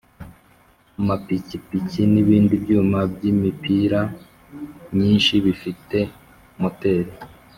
amapikipiki n’ ibindi byuma by’ imipira myinshi bifite moteri